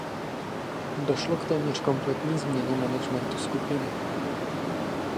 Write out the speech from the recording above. Došlo k téměř kompletní změně managementu skupiny.